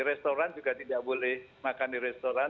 restoran juga tidak boleh makan di restoran